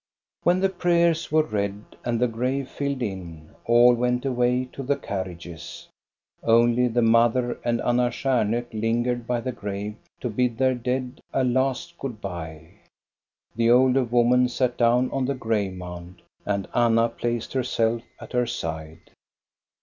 • When the prayers were read, and the grave filled in, all went away to the carriages. Only the mother and Anna Stjarnhok lingered by the grave to bid their DEATH, THE DELIVERER 37 1 dead a last good bye. The older woman sat down on the grave mound, and Anna placed herself at her side.